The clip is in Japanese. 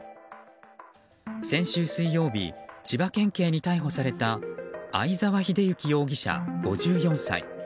先週水曜日千葉県警に逮捕された相沢英之容疑者、５４歳。